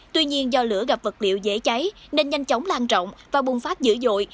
tuy nhiên do lửa gặp vật liệu dễ cháy nên nhanh chóng lan trọng và bùng phát dữ dội